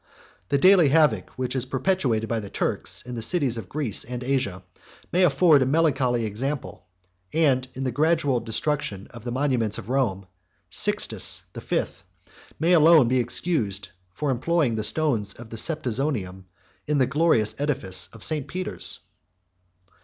The daily havoc which is perpetrated by the Turks in the cities of Greece and Asia may afford a melancholy example; and in the gradual destruction of the monuments of Rome, Sixtus the Fifth may alone be excused for employing the stones of the Septizonium in the glorious edifice of St. Peter's.